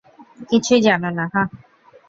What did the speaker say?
কিছুই জানো না, হাহ?